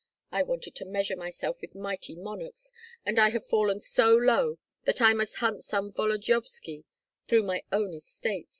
I wanted to measure myself with mighty monarchs, and I have fallen so low that I must hunt some Volodyovski through my own estates.